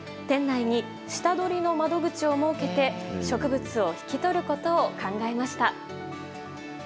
店内に下取りの窓口を設けて植物を引き取ることを考えました。